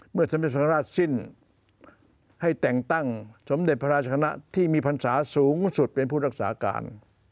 สมเด็จสังราชสิ้นให้แต่งตั้งสมเด็จพระราชคณะที่มีพรรษาสูงสุดเป็นผู้รักษาการ